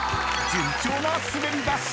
順調な滑り出し］